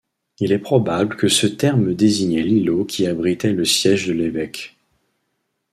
Il est probable que ce terme désignait l'îlot qui abritait le siège de l'évêque.